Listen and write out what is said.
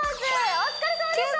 お疲れさまでした！